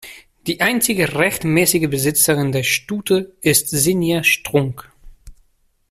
Die einzige rechtmäßige Besitzerin der Stute ist Sinja Strunk.